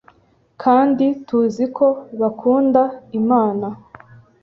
Kandi tuziko bakunda Imana